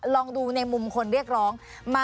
ลองดูในมุมคนเรียกร้อง